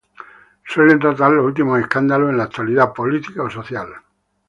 Suelen tratar los últimos escándalos en la actualidad política o social.